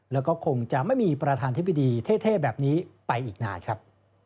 แล้วก็คงจะไม่มีประธานธิบดีเท่แบบนี้ไปอีกนานครับ